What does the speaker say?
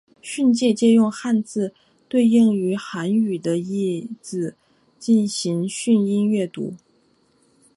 训借借用汉字对应于韩语的意字进行训音阅读。